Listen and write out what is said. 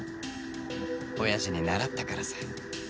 おやじに習ったからさ。